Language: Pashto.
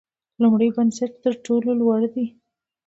لومړی بست تر ټولو لوړ دی